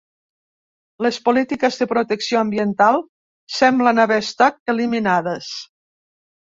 Les polítiques de protecció ambiental semblen haver estat eliminades.